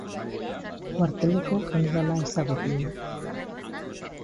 Kuarteleko jenerala ezagutu du.